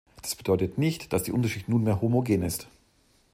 Das bedeutet nicht, dass die Unterschicht nunmehr homogen ist.